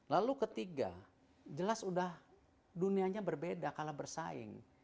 lalu ketiga jelas udah dunianya berbeda kalau bersaing